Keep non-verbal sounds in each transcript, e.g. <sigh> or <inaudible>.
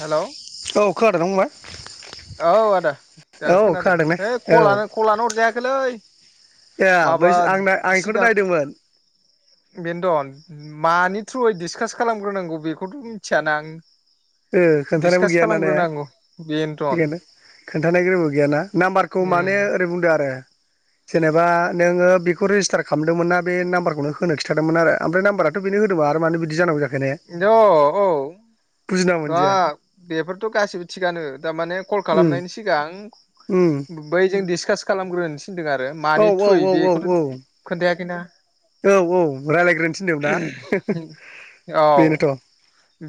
Hello औ खोनादोंना फंबाय? औ आदा दासो औ खोनादों ने है औ कलानो कलानो हरजायाखैलै ए बै माबा आं आं एखौनो सिगां नायदोंमोन। बेनोथ' मानि थ्रुयै डिसकास खालामग्रोनांगौ बेखौथ मिथियाना आं ओ खोन्थानायबो डिसकास गैया ना ने खालामग्रोनांगौ बेनोथन बेखायनथ खोन्थानाय गोबो गैयाना नाम्बारखौ माने उम ओरै बुंदो आरो जेनेबा नोङो बेखौ रेजिस्टार खालामदोंमोनना बे नाम्बारखौनो होनो खिथादोंमोन आरो आमफ्राय नाम्बाराथ बेनो होदोंमोना आरो मानो बिदि जानांगौ जाखो। ने इनथ औ बुजिना नङा मोनदिया बेफोरथ गासिबो थिगानो दामाने कल उम खालामनायनि सिगां उम बैजों दिडिसकास खालामग्रो थिनदों आरो औ मानि औ थ्रुयै औ औ बेखौथ खोन्थाया खैना औ औ राय्लायग्रोनो थिनदों दा औ बेनोथ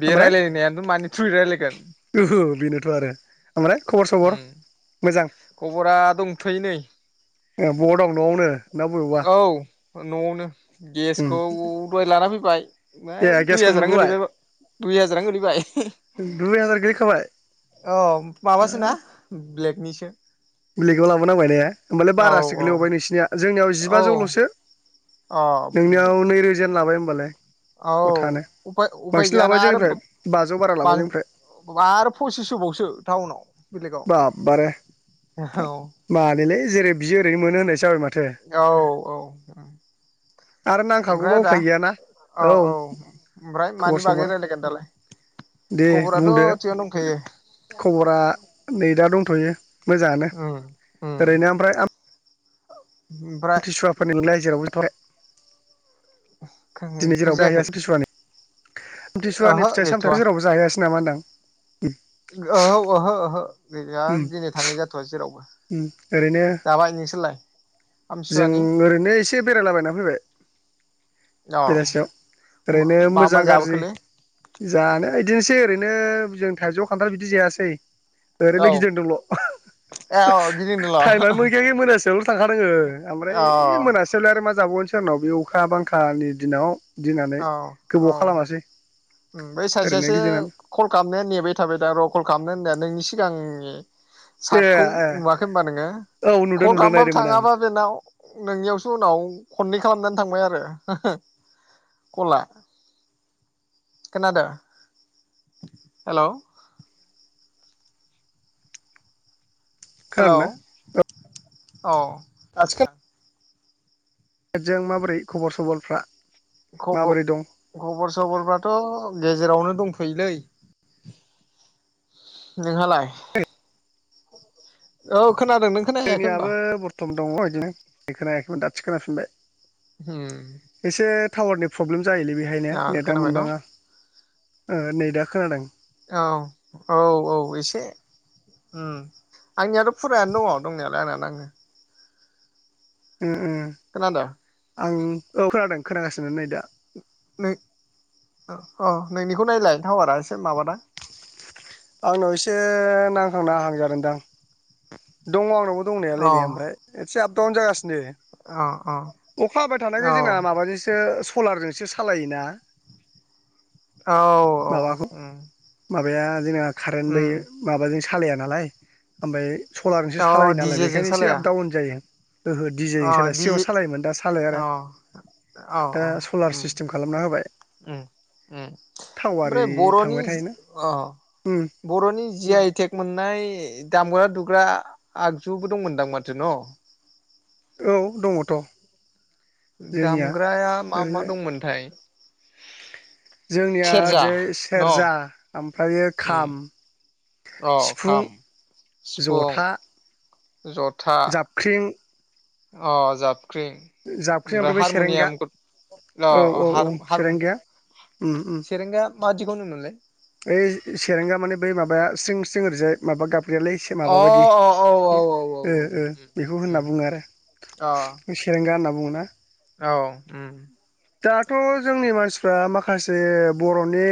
बे रायलायनायानोथ' थ्रुयै रायलायगोन ओहो बेनोथ आरो ओमफ्राय खबर उम सबर मोजां? खबरा दंथ'यो नै ए बहा दं नआवनो ना बबेयावबा औ नआवनो उम गेसखौ दहाय लाना फैबाय ए दुइ गेसखौ हाजारानो मोनबोबाय गोलैबाय दुइ हाजारानो गोलैबाय दुइ हाजार गोलैखाबाय औ माबासोना ब्लेकनिसो ब्लेकआव लाबो नांबाय ने? होनोबालाय बारासो औ गोलैबवबाय नोंसिनिया जोंनियाव औ जिबाजौल'सो अ नोंनियाव नैरोजायानो लाबाय होमबालाय औ गथानो उफाय बांसिन लाबाय गैयाना आरो जोंनिफ्राय बाजौ बारा लाबाय जोंनिफ्राय आरो पसिसस बावसो टाउनाव बेलेगाव बाबबारे औ मानिलै जेरै बियो ओरैनो मोनो होननायसो जाबाय मा औ औ आरो नांखागौबा ओमफ्राय आदा उफाय गैयाना औ औ ओमफ्राय खबर मानि सबर बागै रायलायगोन दालाय दे खबराथ' बुंदो थिगानो दंखायो। खबरा नै दा दंथ'यो मोजाङानो ओरैनो ओमफ्राय औ आमथिसुवाफोर नोंलाय जेरावबो थाबाय। दिनै जेरावबो जाहैयासै बुजियाखै आमथिसुवानि ओहो आमथिसुवानि फिथाइ गैथ'वा सामथायाइखौ जेरावबो जाहैयासै नामा होनदां? उम <unintelligible> ओहो -ओहो गैया दिनै थांनाय जाथ'वा जेरावबो। ओरैनो जाबाय नोंसोरलाय जों आमथिसुवानि ओरैनो एसे बेरायलाबायना फैबाय औ बेलासियाव ओरैनो मा मा मोजां गाज्रि जाबोखोलै जानो। बिदिनोसै ओरैनो जों थाइजौ खान्थाल बिदि जायासै। औ ओरैनो गिदिंदोंल। ए औ गिदिंदोंल' अ टाइमानो मोनखायाखै मोनासियावल' थांखादों ओ ओमफ्राय ओ मोनासियावलाय आरो मा जाबावनोसै‌। सोरनाव बे अखा बांखानि दिनाव। गिनानै औ गोबाव -औ खालामासै बै ओरैनो सासेयासो गिदिंनानै कल खालामनाया नेबाय थाबाय दा र' कल खालामनो होननाया नोंसि सिगां नि ए साटखौ ए नुवाखै होनबा नोङो औ नुदों कल नुदों खालामबाबो नायदोंमोन आं थाङाबा बेनाव नोंनियावसो उनाव खननै खालामनानै थांबाय आरो। कला, खोनादों हेलौ? हेलौ खोनादों ना औ आजिखा जों माबोरै खबर सबरफ्रा? माबोरै खबर- दं खबर सबरफ्राथ' गेजेरावनो। दंथ'योलै। नोंहालाय? <inaudible> औ खोनादों नों खोनाहैयाखै होनबा जोंनियाबो बर्थमान दङ बिदिनो बेखौ दासो खोनाफिनबाय। होम। एसे टावारनि प्रब्लेम जायोलै बेहायनो नेटा न' मोनबाङा? ओ नै दा खोनादों। औ औ औ एसे उम आंनियाथ' फुरायानो दङ दंनायालाय आंनिआ नांङो। उम उम। खोनादों आं औ खोनादों खोनागासिनो नै दा नों अ नोंनिखौ नायलाय थावारा एसे माबाना? आंनाव एसे नांखांना हांजादोंदां। दङ आंनावबो अ दंनायालायनाया ओमफ्रा एसे दाउन जागासिनो। अ अखा हाबाय थानायखाय जोंना माबाजों सलार जोंसो सालायोना। औ माबाखौ औ ओम माबाया जोंना खारेनबो मा जोंसो खालया नालाय ओमफ्राय सलारजोंसो अ सालायो नालाय डिजेजों बेखायनो एसे सालाया आप डाउन जायो। ओहो अ डिजेजों सालाया दि सिगाङाव सालायोमोन दा सालाया अ आरो अ दा सलार ओम सिस्टेम खालामना होबाय ओम थाव आरि ओमफ्राय बर'नि थांबाय थायोना अ उम बर'नि जि आइटेक मोननाय दामग्रा दु ग्रा आगजुबो दंमोनदां माथो न'? औ दङथ'। जोंनिया दामग्राया मा मा ओरै दंमोनथाय जोंनिया सेरजा ओरैजाय न' सेरजा ओमफ्रायो उम खाम अ सिफुं खाम सिफुं ज'था ज'था जाबख्रिं अ जाब जाबख्रिं ओमफ्राय बे सेरेंगा अ औ अ औ औ हार हार सेरेंगाया ओम ओम। सेरेंगा मादिखौ होनोमोनलाय? ओइ सेरेंगा माने बै माबाया स्रिं स्रिं ओरैजाय माबा गाब फग्रायालाय एसे माब अ बायदि अ औ औ ओ औ ओ बेखौ होनना बुङो आरो अ सेरेंगा होनना बुङो। बा औ ओम दाथ' जोंनि मानसिफ्रा माखासे बर'नि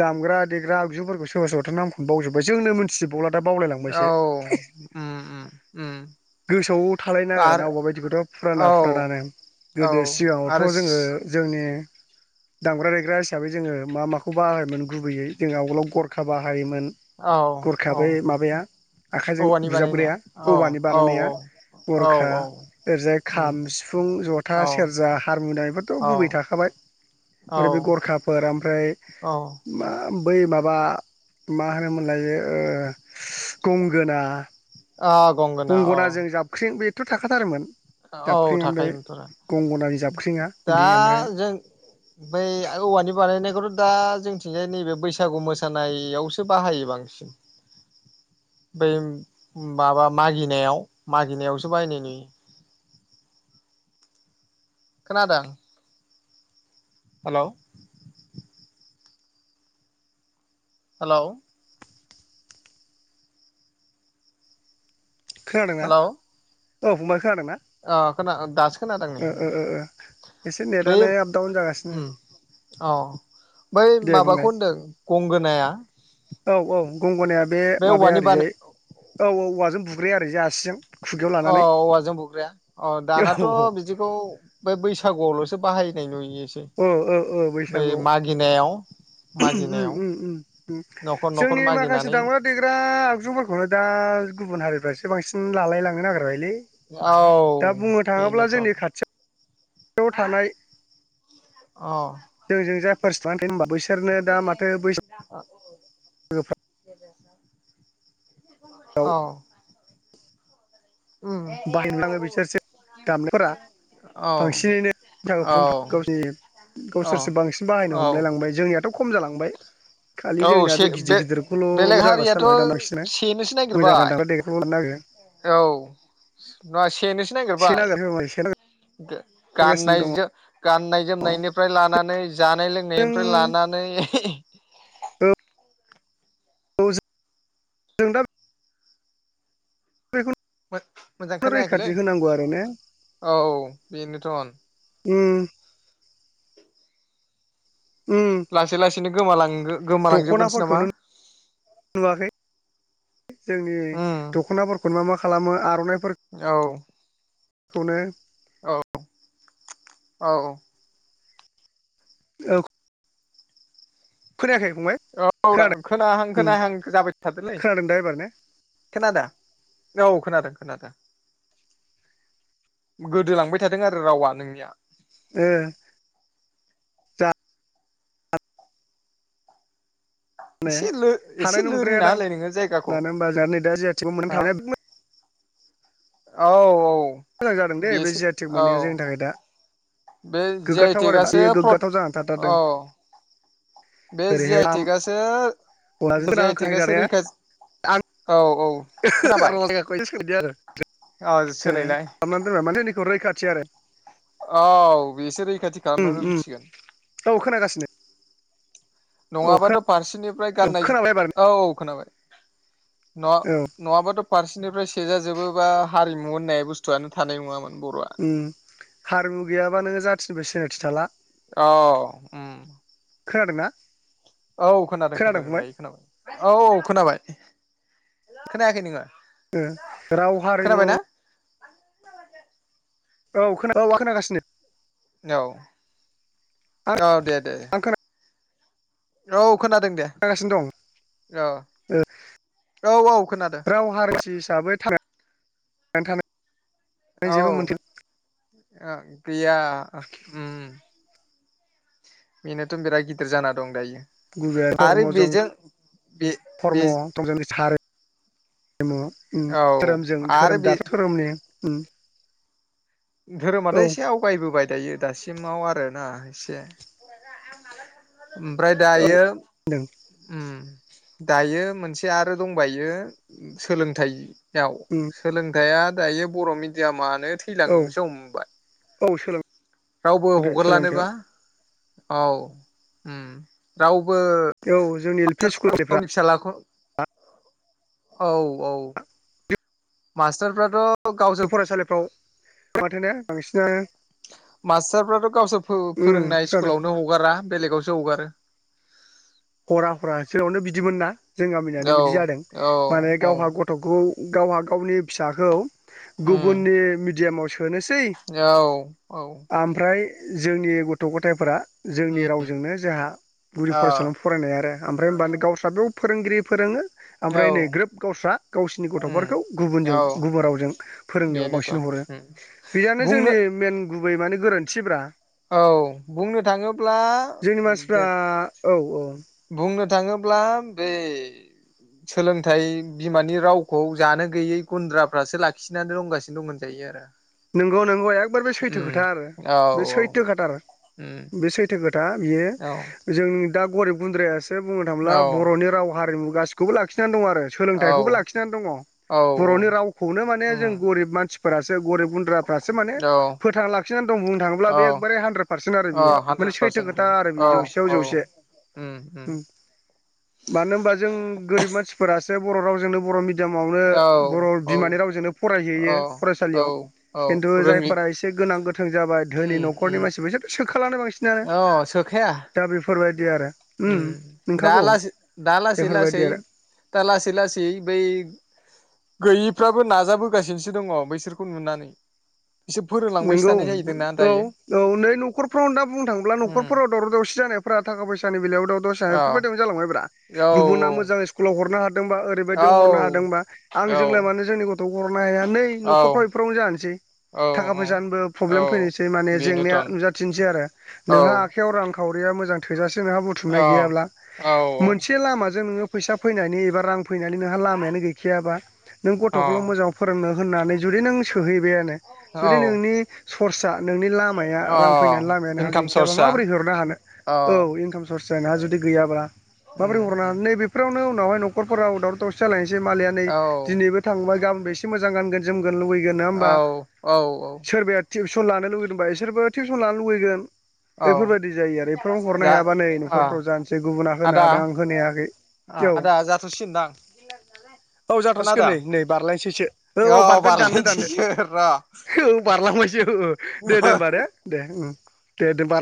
दामग्रा देग्रा आगजुफोरखौ सोरबा सोरावथा नामखौनो बावजोब्बाय जोंनो मिथिजोबावला दा बावलाय औ लांबायसो उम उम उम गोसोआव थालायनो नागिर ना आरो अबबा बायदिखौथ' फुराना फुरानानो औ गोदो सिगाङावथ' आरो जोङो जोंनि दामग्रा देग्रा हिसाबै जोङो मा माखौ बाहायोमोन गुबैयै जों आवगोलाव गरखा बाहायोमोन औ गरखा औ बै माबाया आखाइजों औवानि बानायनाया बुजाबग्राया औ औवानि औ बानायनाया औ औ गरखा औ ओरैजाय खाम उम सिफुं जथा औ सेरजा हारमुनियाम गुबै औ थाखाबाय औ ओमफ्राय बे गरखाफोर ओमफ्राय औ मा बै माबा मा होनोमोनलायो ओ गंगोना ओ गंगना औ। थ' थाखाथारोमोन। औ जाबख्रिङा ओमफ्राय थाखायोमोनथ'रा गंगनारि जाबख्रिङा दा बिदि ओमफ्राय जों बै औवानि बाय बायनायखौथ' दा जोंथिंजाय नैबे बैसागु मोसानायावसो बाहायो बांसिन बै माबा मागिनायाव मागिनायावसो बाहायनाय नुयो। खोनादों? हेल' हेलौ खोनादोंना? हेलौ औ फंबाय खोनादोंना ओ खोना दासो खोनादों नै एसे ओ ओ बै नेटनो आपडाउन जागासिनो उम औ बै दे माबाखौ बुंनाय होनदों गंगोनाया औ औ गंगनाया बे माबाया औवानि बानाय ओरिजाय औ औ औवाजों बु गुरै आरो जासि <unintelligible> अ औवाजों बुग्राया अ औ दानाथ' औ बिदिखौ बे बैसागुआवल'सो बाहायनाय नुयो। ओ ओ ओ बैसागुआव ओम मागिनायाव ओम ओम न'खर न'खर जोंनि माखासे मागिनानै दामग्रा देग्रा आगजुफोरखौनो दा गुबुन हारिफ्रासो बांसिन लालायलांनो नागिरबायलै औ दा बेनोथ' याव थानाय अ जों जों <unintelligible> बैसागोफ्राव <unintelligible> <inaudible> औ उम बाहायनो लाङो बिसोरसो दामनायफोरा औ बांसिनैनो औ <unintelligible> गावनि औ गावसोरसो बांसिन बाहायनो औ हमलाय लांबाय जोंनियाथ' खम जालांबाय। खालि औ से जोंनियााब बे गिदिर बेलेग गिदिरखौल'ल जाग्रासो हारियाथ' जालांबाय दाना बांसिननो सेनोसो मोजां जानो नागिरबाय दांरा देखखौल' लानो नागिरा औ नङा सेनोसो सेन नागिरबाय नागिरो सेन गाननाय नागिरगासिनो जो गाननाय जोमनायनिफ्राय लानानै जानाय दङ लोंनायनिफ्राय लानानै जों औ जों जों दा बेखौनो मोजां खोनायाखैलै रैखाथि होनांगौ आरो ने औ बेनोथ' उम उम बिदिनो गोमालां गोमालांजोबगोनसो नामा दख'नाफोरखौनो नुवाखै जोंनि उम दख'नाफोरखौनो मा मा खालामो आर'नाइफोर खौनो औ औ औ। औ। खोनायाखै। औ दा खोनादों खोनाहां खोनायाहां जाबाय थादोंलै खोनादों दा एबार ने खोनादों? औ खोनादों खोनादों गोदोलांबाय थादों आरो रावा नोंनिया ओ माने एसे एसे हानाय लोरिना नंद्रायादां होलाय नोङो जायगाखौ मानो होनबा जोंहा नै दा जि आइ टेकबो मोननो हा थांबाय आरो। औ औ। मोजां जादों दे बे बेसो जि आइ टेक मोननाया औ जोंनि थाखाय दा। बे जि आइ गोग्गाथाव आरो टेकआसो बेयो फ्र गोग्गाथाव जानानै थाथारदों औ। बे जि ओरैहाय आइ आम टेकआसो अनलाजों जि गोनां आइ हांखो टेकआसो नांजानाया रैखा आं औ। औ खोनाबाय औ सोलायलाय <unintelligible> औ बेसो रैखाथि उम खालामनो उम दोनसिगोन। औ खोनागासिनो। औ खोना नङाबाथ' फारसेनिफ्राय गाननाय खोनाबाय एबार औ औ खोनाबाय। न औ नङाबाथ' फारसेनिफ्राय सेजा जोबोबा हारिमु होननाय बुस्थुआनो थानाय नङामोन। बर'आ उम हारिमु गैयाबानो जाथि जेबो सिनायथि थाला। औ उम। खोनादों ना? औ खोनादों खोनादों दायो खोनाबाय औ औ खोनाबाय। खोनायाखै नोङो? ओ राव हारिमु। खोनाबायना औ खोना आं खोनागासिनो। औ। आं औ दे दे। आं औ। खोनादों दे खोनागासिनो दं औ ओ औ औ खोनादों। राव <unintelligible> औ। जेबो मोनसे आ गैया उम उम। बेनोथ' बिराद गिदिर जाना दं दायो आरो बेजों बे बे <unintelligible> औ धोरोमजों आरो धोरोम बे दाथ' धोरोमनि ओम धोरोमाथ' एसे आवगायबोबाय दायो दासिम सिमाव आरोना एसे ओमफ्राय औ दायो होनदों ओम दायो मोनसे आरो दंबायो सोलोंथाइ याव सोलोंथाइया दायो बर' मिडियामानो औ थैलां एसे हमबाय औ रावबो सोलोंथाइ हगारलानोबा सोलोंथायाइयाव औ आ राव औ जोंनि एल पि स्कुलनिफ्रा फिसालाखौ औ औ मासटारफ्राथ' फरायसालिफ्राव माथो बांसिनानो मास्टारफ्राथ' गावसोर फोरोंनाय खोनादों स्कुलावनो हगारा बेलेगावसो हगारो हरा फरा सोरावनो बिदिमोन ना जों गामिनानै बिदि जादों औ औ माने औ गावहा गथ'खौ गावहा गावनि फिसाखौ उम गुबुननि मिडियामाव सोनोसै औ औ ओमफ्राय जोंनि गथ' गथायफोरा जोंनि उम रावजोंनो जाहा गुदि अ फरायसालिया आरो ओमफ्राय होनबानो गावस्राबो फोरोंगिरि फोरोङो औ ओमफ्राय नै ग्रोब गावस्रा गावसिनि उम गथ'फोरखौ गुबुनजों औ गुबुन रावजों फोरोंनायाव बेनोथ' बांसिन हरो उम बेयानो बुंनो जोंनि मेन गुबै माने गोरोन्थि ब्रा औ बुंनो थाङोब्ला जोंनि मानसिफ्रा जेन औ औ बुं बुंनो थाङोब्ला बे सोलोंथाइ बिमानि रावखौ जानो गैयै गुन्द्राफ्रासो लाखिनानै रोंगासिनो दं होनजायो आरो नंगौ नंगौ एकबार बे सैथो खोथा आरो उम औ बे औ सैथो खोथा उम बे सैथो खोथ दा बियो जों दा गरिब गुन्द्रायास सो बुंनो थाङोब्ला औ औ बर'नि राव हारिमु गासिखौबो लाखिनानै दं आरो। सोलोंथाइखौबो औ लाखिनानै दङ औ बर'नि रावखौनो माने जों उम गोरिब मानसिफोरासो गरिब गुन्द्राफ्रासो माने औ फोथांना लाखनानै दं बुंनो थाङोब्ला बे औ एखकबारे हानद्रेद पारसेन्ट आरो औ बेयो माने हानद्रेद सैथो पारसेन्ट खोथा आरो औ बेयो जौसेयाव औ जौसे उम उम मानो होमबा जों गोरिब मानसिफोरास जे बर' रावजोंनो बर' मिद मिडियामावनो औ बर' बिमानि रावजोंनो फरायहैयो औ औ फरायसालियाव औ खिन्थु रोङि जायफोरा एसे गोनां गोथों जाबाय धोनि उम न'खरनि उम मानसिफोर बिसोरथ' सोखालानो बांसिनानो अ सोखाया दा बेफोर बेफोरबायदि आरो उम दा लासै दा लासै बेफोरबायदि लासेै आरो दा लासै लासै बै गैयिफ्राबो नाजाबोगासिनोसो दङ बैसोरखौ नुनानै बिसोर फोरोंलांबायसो नंगौ थानाय जाहैदोंना औ दायो औ नै न'खरफ्राव दा बुंनो थाङोब्ला उम न'खरफोराव दावराव दावसि जानायफोरा थाखा फैसानि बेलायाव दावराव दावसिया बेफोरबायदिनो जालांबाय ब्रा औ औ गुबुना मोजां सकुलाव हरनो हा दोंबा ओरैबायदि हरनो हादोंबा आं औ जोंलाय मानो जोंनि गथ' <unintelligible> माय नै औ न'खरफ्राव एफोरावनो जानोसै औ थाखा औ फैसानिबो औ प्रब्लेम फैनोसै माने जेंनाया बेनोथन नुजाथिनोसै आरो नोंहा औ आखाइयाव रां खावरिया मोजां थोजासे नाहा अ बुथुमनाय गैयाब्ला औ मोनसे लामाजों नोङो फैसा फैनायनि एबा रां फैनानै नोंहा लामायानो गैखायाबा नों अ गथ'खौल' मोजां फोरोंनो होननानै जुदि नों सोहैबायानो जुदि औ नोंनि सर्सा नोंनि लामाया अ रां फैनायनि लामाया नोंहा इनकाम गैखायाबा सर्सआ माबोरै हरनो हानो औ इनकाम स र्सा ना जुदि गैयाब्ला माबोरै उम उम हरनानै नैबेफोरावनो उनाव हाय नख'राव दावराव दावसि जालायसै जो मालाया नै औ दिनैबो थांबाय गा एसे मोजां गानगोन जोमगोन लुबैगोन ना होमबा? औ औ औ। सोरबाया टिउसन लानो लुगैदों बा बिसोरबो टिउसन लानो लुबैगोन। औ बेफोरबायदि जायो आरो बेफोराव हरनो जा हायाबा नै न'खरफ्राव अ जानोसै गुबुना होनो आदा हादों आं होनो हायाखै औ आदा जाथ'सिगोनदां औ जाथ'सिगोन खोनादों नै नै बारलायसैसो औ औ बारगोन दानदो दानदो। बारलांबायसो। दे दे र' होमबा दे दे उम। दे दे बार